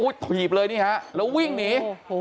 ถีบเลยนี่ฮะแล้ววิ่งหนี